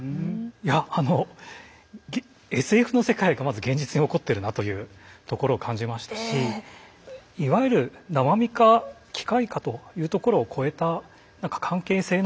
いやあのＳＦの世界がまず現実に起こってるなというところを感じましたしいわゆる生身か機械かというところを超えた何か関係性の永続性みたいなものを感じてしまいましたね。